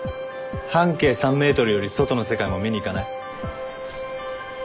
半径３ｍより外の世界も見に行かない？